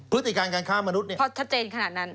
พฤติการการค้ามนุษย์เนี่ยพอชัดเจนขนาดนั้น